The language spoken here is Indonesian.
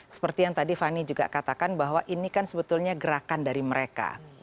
seperti yang tadi fani juga katakan bahwa ini kan sebetulnya gerakan dari mereka